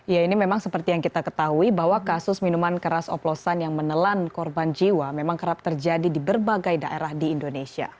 ya ini memang seperti yang kita ketahui bahwa kasus minuman keras oplosan yang menelan korban jiwa memang kerap terjadi di berbagai daerah di indonesia